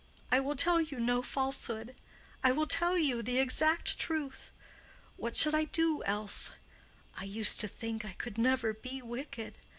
I will tell you no falsehood; I will tell you the exact truth. What should I do else? I used to think I could never be wicked.